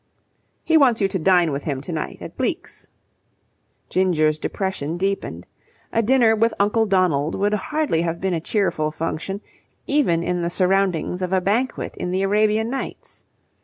"He wants you to dine with him to night at Bleke's." Ginger's depression deepened. A dinner with Uncle Donald would hardly have been a cheerful function, even in the surroundings of a banquet in the Arabian Nights.